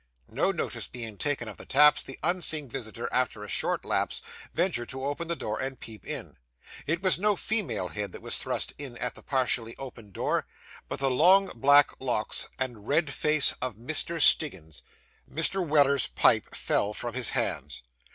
No notice being taken of the taps, the unseen visitor, after a short lapse, ventured to open the door and peep in. It was no female head that was thrust in at the partially opened door, but the long black locks and red face of Mr. Stiggins. Mr. Weller's pipe fell from his hands.